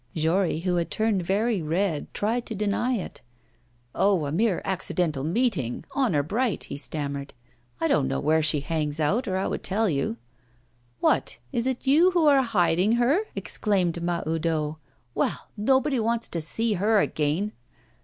Jory, who had turned very red, tried to deny it; 'Oh, a mere accidental meeting honour bright!' he stammered. 'I don't know where she hangs out, or I would tell you.' 'What! is it you who are hiding her?' exclaimed Mahoudeau. 'Well, nobody wants to see her again!